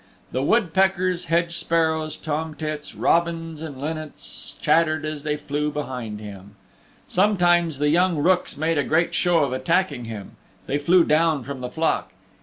The woodpeckers, hedge sparrows, tom tits, robins and linnets chattered as they flew behind him. Sometimes the young rooks made a great show of attacking him. They flew down from the flock.